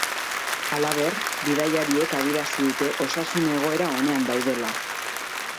Halaber, bidaiariek adierazi dute osasun egoera onean daudela.